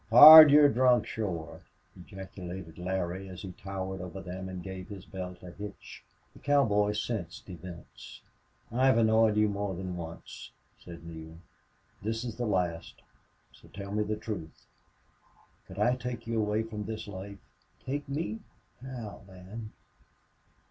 "Pard, you're drunk shore!" ejaculated Larry, as he towered over them and gave his belt a hitch. The cowboy sensed events. "I've annoyed you more than once," said Neale. "This's the last.... So tell me the truth.... Could I take you away from this life?" "Take me?... How man?"